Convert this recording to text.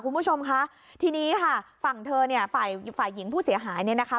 คุณผู้ชมคะทีนี้ค่ะฝั่งเธอเนี่ยฝ่ายฝ่ายหญิงผู้เสียหายเนี่ยนะคะ